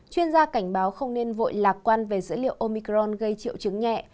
chuyên gia cảnh báo không nên vội lạc quan về dữ liệu omicron gây triệu chứng nhẹ